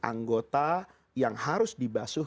anggota yang harus dibasuh